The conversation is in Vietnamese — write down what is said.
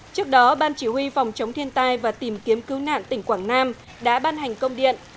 trước đó ban chỉ huy phòng chống thiên tai và tìm kiếm cứu nạn tỉnh quảng nam đã ban hành công điện